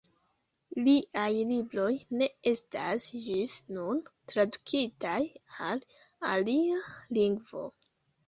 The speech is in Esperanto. Liaj libroj ne estas ĝis nun tradukitaj al alia lingvo.